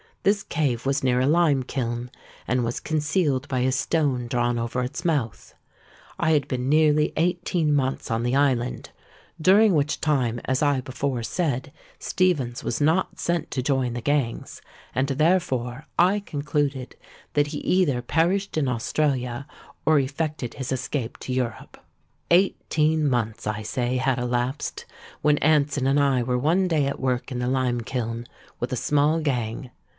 This cave was near a lime kiln, and was concealed by a stone drawn over its mouth. I had been nearly eighteen months on the island, (during which time, as I before said, Stephens was not sent to join the gangs; and therefore I concluded that he either perished in Australia, or effected his escape to Europe,)—eighteen months, I say, had elapsed, when Anson and I were one day at work in the lime kiln, with a small gang.